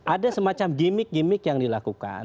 ada semacam gimmick gimmick yang dilakukan